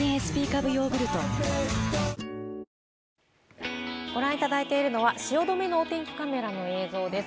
わかるぞご覧いただいているのは、汐留のお天気カメラの映像です。